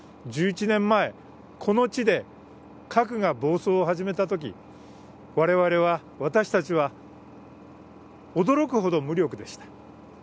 １１年前、この地で核が暴走を始めたとき我々は、私たちは、驚くほど無力でした。